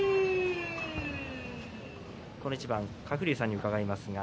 この一番、鶴竜さんに伺います。